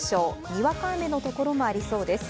にわか雨の所もありそうです。